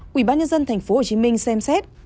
quỹ ban nhân dân thành phố hồ chí minh xem xét